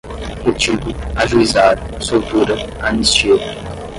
retido, ajuizar, soltura, anistia